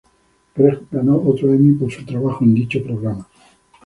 Greg ganó otro Emmy por su trabajo en dicho programa.